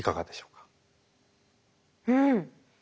うん。